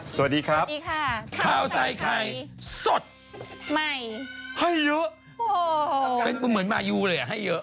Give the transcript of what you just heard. สวัสดีครับสวัสดีค่ะขาวใส่ไข่สดใหม่ให้เยอะเหมือนมายูเลยอ่ะให้เยอะ